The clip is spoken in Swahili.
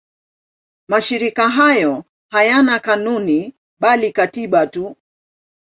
Mashirika hayo hayana kanuni bali katiba tu.